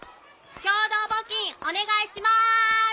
共同募金お願いしまーす！